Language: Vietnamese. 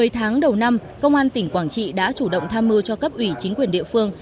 một mươi tháng đầu năm công an tỉnh quảng trị đã chủ động tham mưu cho cấp ủy chính quyền địa phương